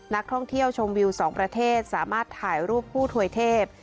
นักท่องเที่ยวชมวิว๒ประเทศสามารถถ่ายรูปผู้ถวยเทพ